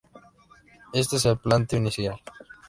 Este es el planteo inicial.